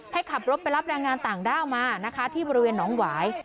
ให้ขับรถไปรับแรงงานต่างด้าวมานะคะที่บริเวณหนองหวาย